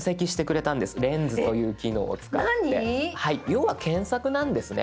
要は検索なんですね。